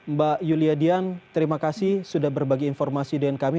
mbak yulidyan terima kasih sudah berbagi informasi dengan kami